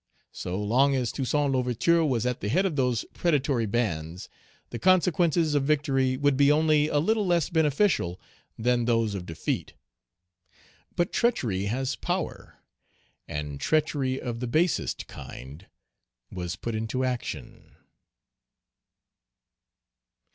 So long as Toussaint L'Ouverture was at the head of those predatory bands, the consequences of victory would be only a little less beneficial than those of defeat. But treachery has power, and treachery of the basest kind was put into action.